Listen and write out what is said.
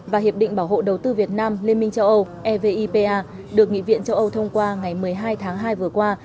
và hiệp định bảo hộ đầu tư việt nam liên minh châu âu evipa được nghị viện châu âu thông qua ngày một mươi hai tháng hai vừa qua